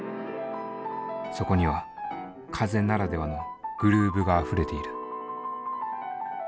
そこには風ならではのグルーヴがあふれている。